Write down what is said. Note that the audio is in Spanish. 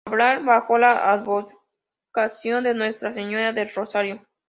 Cabral, bajo la advocación de Nuestra Señora del Rosario.